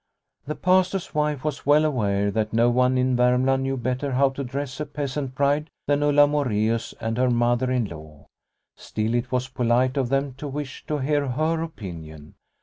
The Pastor's wife was well aware that no one in Varmland knew better how to dress a peasant bride than Ulla Moreus and her Mother in law. Still it was polite of them to wish to hear her opinion.